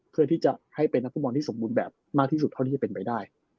เพื่อที่จะให้เป็นนักฟุตบอลที่สมบูรณ์แบบมากที่สุดเท่าที่จะเป็นไปได้